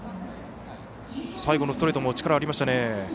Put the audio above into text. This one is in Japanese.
最後のストレートも力がありましたね。